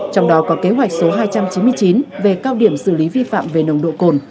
trong đó có kế hoạch số hai trăm chín mươi chín về cao điểm xử lý vi phạm về nồng độ cồn